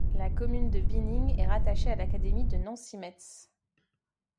La commune de Bining est rattachée à l'académie de Nancy-Metz.